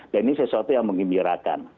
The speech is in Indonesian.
dan ini sesuatu yang mengibirakan